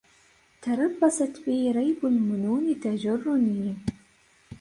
تربصت بي ريب المنون تجرني